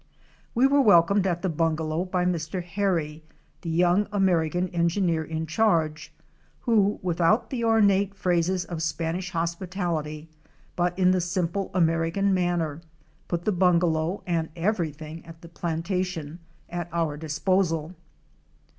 We were welcomed at the bungalow by Mr. Harry, the young American engineer in charge, who, without the ornate phrases of Spanish hospitality, but in the simple American manner, put the bungalow and everything at the plantation at our disposal.